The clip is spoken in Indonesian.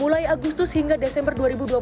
mulai agustus hingga desember dua ribu dua puluh